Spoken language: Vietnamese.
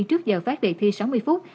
trước giờ phát đề thi sáu mươi phút